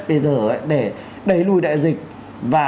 bây giờ để đẩy lùi đại dịch